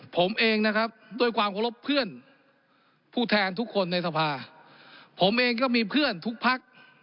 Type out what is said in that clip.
ผมเองนะครับด้วยความเคารพเพื่อนผู้แทนทุกคนในสภาผมเองก็มีเพื่อนทุกพัก